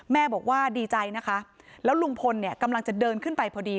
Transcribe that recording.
แม่บอกว่าดีใจนะคะแล้วลุงพลเนี่ยกำลังจะเดินขึ้นไปพอดี